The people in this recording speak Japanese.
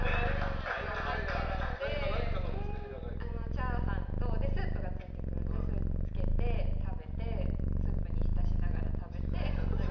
チャーハンとスープがついてくるのでそれをつけて食べてスープに浸しながら食べて。